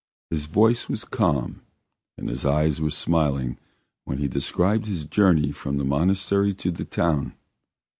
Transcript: His voice was calm and his eyes were smiling while he described his journey from the monastery to the town.